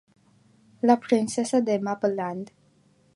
La princesa de Maple Land.